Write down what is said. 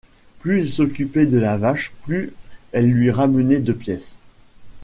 Plus il s'occupait de la vache, plus elle lui ramenait de pièces.